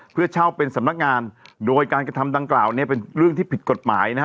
เพื่อเช่าเป็นสำนักงานโดยการกระทำดังกล่าวเนี่ยเป็นเรื่องที่ผิดกฎหมายนะฮะ